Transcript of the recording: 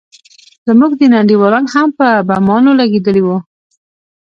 زموږ ځينې انډيولان هم په بمانو لگېدلي وو.